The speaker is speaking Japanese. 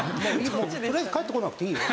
とりあえず帰ってこなくていいよ。